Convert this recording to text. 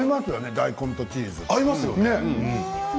大根とチーズ。